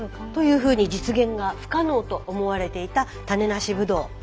ふうに実現が不可能と思われていた種なしブドウ。